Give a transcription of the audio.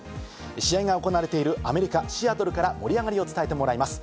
試合が行われているアメリカ・シアトルから盛り上がりを伝えてもらいます。